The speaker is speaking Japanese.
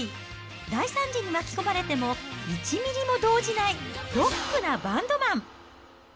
大惨事に巻き込まれても１ミリも動じないロックなバンドマン。